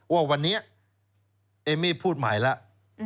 ว่าวันนี้เอมมี่พูดใหม่แล้ว